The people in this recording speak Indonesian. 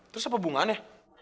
terus apa bunganya